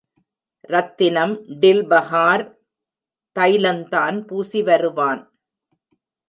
ரத்தினம் டில்பஹார் தைலந்தான் பூசி வருவான்.